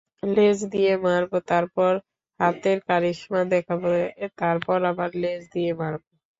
লেজ দিয়ে মারব, তারপর হাতের কারিশমা দেখাব, তারপর আবার লেজ দিয়ে মারব।